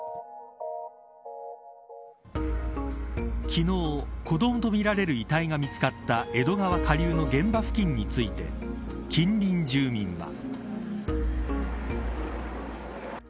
昨日、子どもとみられる遺体が見つかった江戸川下流の現場付近について近隣住民は。